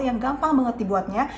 yang gampang banget dibuatnya